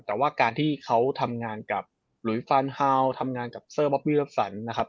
แต่ว่าการที่เขาทำงานกับหลุยฟานฮาวทำงานกับเซอร์บอบบี้รับสันนะครับ